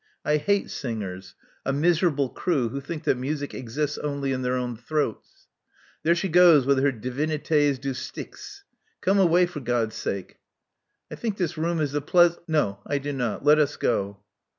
I hate singers, a miserable crew who think that music exists only in their own throats. There she goes with her DiviniUs du Styx, Come away for God's sake." '*I think this room is the pleas No, I do not Let us go."